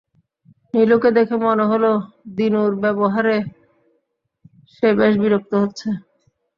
নীলুকে দেখে মনে হলো দিনুর ব্যবহারে সে বেশ বিরক্ত হচ্ছে।